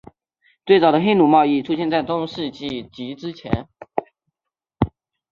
最早的黑奴贸易出现在中世纪及之前。